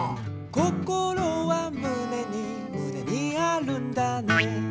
「こころはむねにむねにあるんだね」